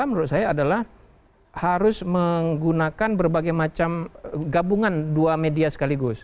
menurut saya adalah harus menggunakan berbagai macam gabungan dua media sekaligus